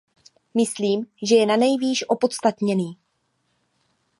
Myslím, že je nanejvýš opodstatněný.